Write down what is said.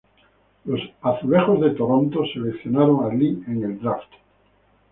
Los "Azulejos de Toronto" seleccionaron a "Lee" en el "draft".